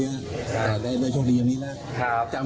หลังจากนั้นพี่ก็ได้มามีหลักการรายละคร